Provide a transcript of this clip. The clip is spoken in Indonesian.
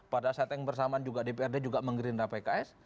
pada saat yang bersamaan juga dprd juga menggerinda pks